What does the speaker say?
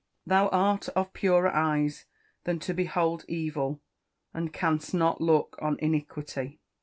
[Verse: "Thou art of purer eyes than to behold evil, and canst not look on iniquity."